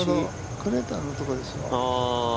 クレーターのところですね。